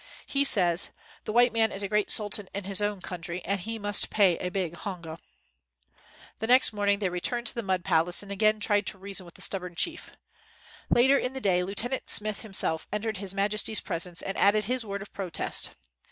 He says, 'The white man is a great sultan in his own country, and he must pay a big hong a.' " The next morning, they returned to the 44 AFTER THE NEWS WAS READ mud palace and again tried to reason with the stubborn chief. Later in the day, Lieu tenant Smith himself entered his majesty's presence and added his word of protest.